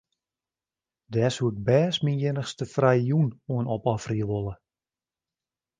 Dêr soe ik bêst myn iennichste frije jûn oan opofferje wolle.